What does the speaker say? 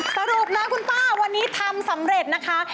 สรุปนะคุณป้าวันนี้ทำสำเร็จนะคะ